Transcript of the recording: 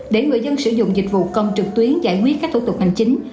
để người dân sử dụng dịch vụ công trực tuyến giải quyết các thủ tục hành chính